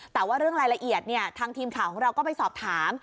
แต่ว่าเรื่องรายละเอียดทางทีมข่าวของเราก็ไปสอบถาม